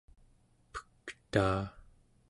pektaa